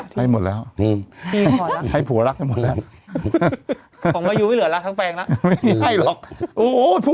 นี่ไหมให้หมดแล้วอืมให้ขอลักษณ์ให้ผัวลักษณ์ได้หมดแล้ว